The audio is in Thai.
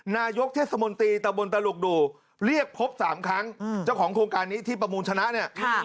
นายกเทศมนตรีตะบนตลุกดูเรียกพบ๓ครั้งเจ้าของโครงการนี้ที่ประมูลชนะเนี่ย